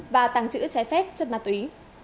và tăng trữ trái phép chất ma túy